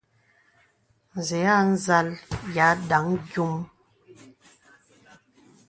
Zə̀ a nzàl y à ndaŋ yōm.